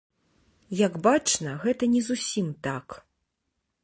Як бачна, гэта не зусім так.